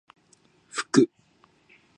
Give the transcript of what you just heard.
ふく